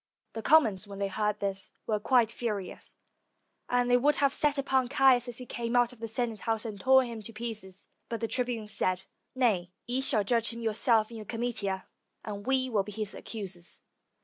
The commons, when they heard this, were quite furious, and they would have set upon Caius as he came out of the Senate house and torn him to 302 WHEN CORIOLANUS SPARED ROME pieces, but the tribunes said, "Nay, ye shall judge him yourselves in your comitia, and we wiU be his accusers."